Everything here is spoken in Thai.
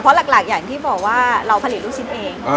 เพราะหลักอย่างที่บอกว่าเราผลิตลูกชิ้นเอง